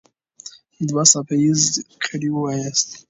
دوه څپه ايزه ګړې وواياست.